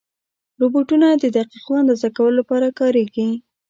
روبوټونه د دقیقو اندازو لپاره کارېږي.